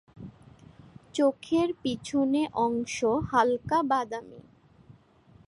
চোখের পিছনে অংশ হালকা বাদামি।